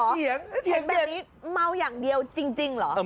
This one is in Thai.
เห็นแบบนี้เมาอย่างเดียวจริงเหรอ